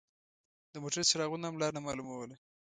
د موټر څراغونو هم لار نه مالوموله.